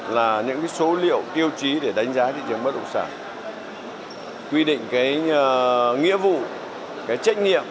là những số liệu tiêu chí để đánh giá thị trường bất động sản quy định cái nghĩa vụ cái trách nhiệm